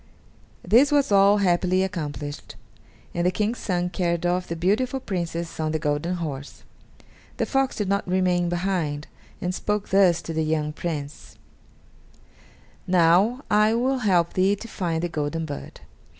This was all happily accomplished, and the King's son carried off the beautiful Princess on the golden horse. The fox did not remain behind, and spoke thus to the young Prince: "Now I will help thee to find the golden bird.